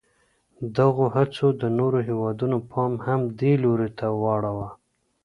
دغو هڅو د نورو هېوادونو پام هم دې لوري ته واړاوه.